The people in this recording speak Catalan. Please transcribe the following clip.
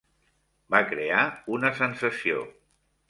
Va crear una sensació!